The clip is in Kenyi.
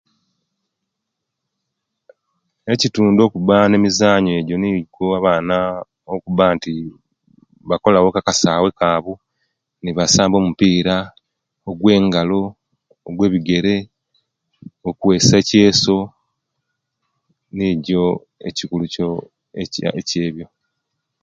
Ekitundu okuba nemizaanyo ejyo niikwo abaana okubanti bakolawo akasaawe kaabwe, nibasamba omupiira; ogwengalo, ogwebigere, okweesa ekyeeso, nikyo ekikulu kyoo, kyeebyo.